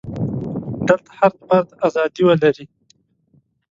دلته هر فرد ازادي ولري.